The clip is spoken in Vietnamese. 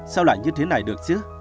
sao lại như thế này được chứ